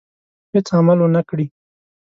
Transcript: هېڅ عمل ونه کړي.